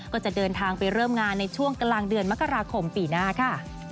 ก็จะเดินทางไปเริ่มงานในช่วงกลางเดือนมกราคมปีหน้าค่ะ